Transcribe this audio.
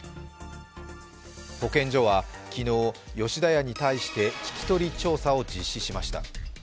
保健所は昨日、吉田屋に対して聞き取り調査を実施しました。